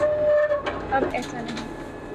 اب ایسا نہیں۔